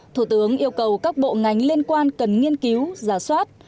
thủ tướng yêu cầu các bộ ngành liên quan cần nghiên cứu giả soát